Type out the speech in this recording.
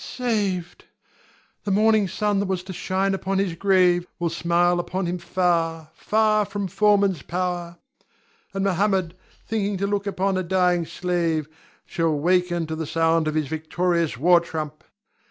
saved! The morning sun that was to shine upon his grave, will smile upon him far, far from foemen's power. And Mohammed, thinking to look upon a dying slave, shall waken to the sound of his victorious war trump.